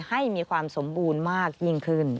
ให้มีความสมบูรณ์มากยิ่งขึ้น